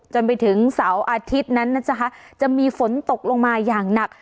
จนไปถึงเสาร์อาทิตย์นั้นนะคะจะมีฝนตกลงมาอย่างหนัก